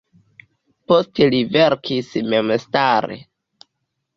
Poste li verkis memstare.